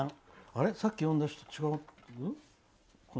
あれ、さっき読んだ人と違う？